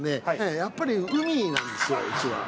やっぱり海なんですよ、うちは。